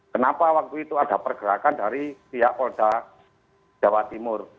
kenapa waktu itu ada pergerakan dari pihak polda jawa timur